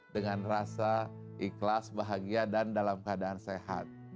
dengan rasa ikhlas bahagia dan dalam keadaan sehat